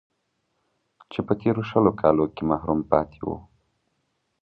چې په تېرو شل کالو کې محروم پاتې و